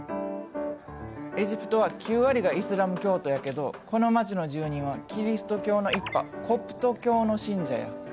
エジプトは９割がイスラム教徒やけどこの町の住人はキリスト教の一派コプト教の信者や。